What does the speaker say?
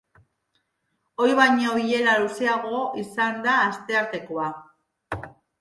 Ohi baino bilera luzeagoa izan da asteartekoa.